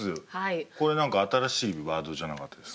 これ何か新しいワードじゃなかったですか？